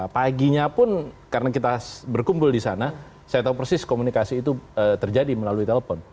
paginya pun karena kita berkumpul di sana saya tahu persis komunikasi itu terjadi melalui telepon